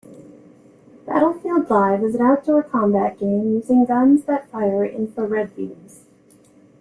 Battlefield Live is an outdoor combat game using guns that fire infra-red beams.